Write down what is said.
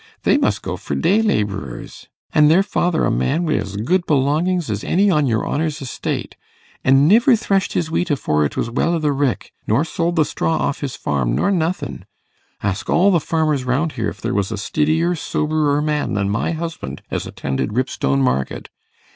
They must go for dey labourers, an' their father a man wi' as good belongings as any on your honour's estate, an' niver threshed his wheat afore it was well i' the rick, nor sold the straw off his farm, nor nothin'. Ask all the farmers round if there was a stiddier, soberer man than my husband as attended Ripstone market.